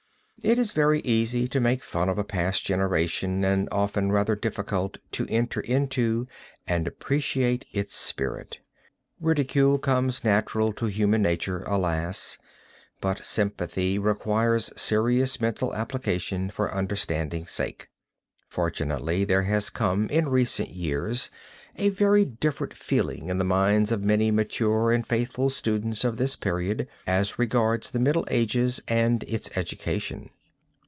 It is very easy to make fun of a past generation and often rather difficult to enter into and appreciate its spirit. Ridicule comes natural to human nature, alas! but sympathy requires serious mental application for understanding's sake. Fortunately there has come in recent years a very different feeling in the minds of many mature and faithful students of this period, as regards the Middle Ages and its education.